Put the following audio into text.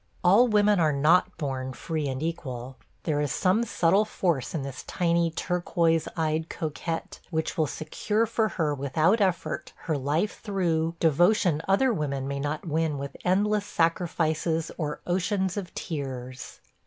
All women are not borne free and equal. ... There is some subtle force in this tiny turquoise eyed coquette which will secure for her without effort, her life through, devotion other women may not win with endless sacrifices or oceans of tears.